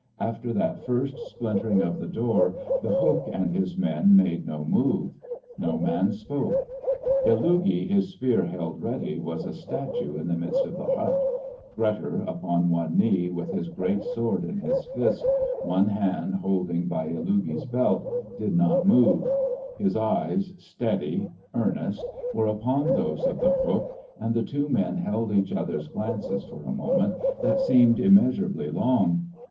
After that first splintering of the door The Hook and his men made no move. No man spoke. Illugi, his spear held ready, was a statue in the midst of the hut; Grettir, upon one knee, with his great sword in his fist, one hand holding by Illugi's belt, did not move. His eyes, steady, earnest, were upon those of The Hook, and the two men held each other's glances for a moment that seemed immeasurably long.